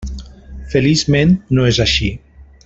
Feliçment no és així.